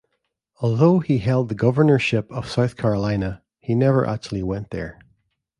Although he held the governorship of South Carolina, he never actually went there.